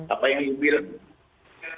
apa yang beliau bilang